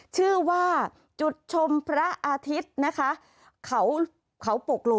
ชื่อว่าจุดชมพระอาทิตย์นะคะ